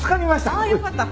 ああよかった。